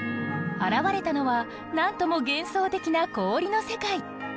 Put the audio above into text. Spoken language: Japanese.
現れたのはなんとも幻想的な氷の世界。